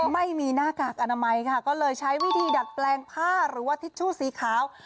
หน้ากากอนามัยค่ะก็เลยใช้วิธีดัดแปลงผ้าหรือว่าทิชชู่สีขาว